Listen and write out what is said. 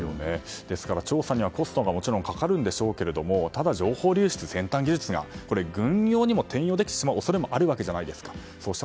調査にはコストがもちろんかかるでしょうけどただ、情報流出、先端技術が軍用に転用できる恐れもあるわけじゃないですか。